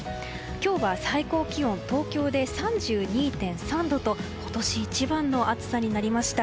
今日は最高気温東京で３２．３度と今年一番の暑さになりました。